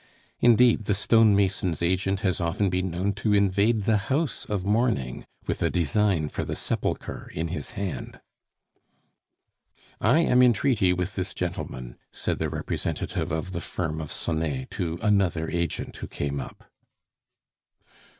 Indeed, the stone mason's agent has often been known to invade the house of mourning with a design for the sepulchre in his hand. "I am in treaty with this gentleman," said the representative of the firm of Sonet to another agent who came up.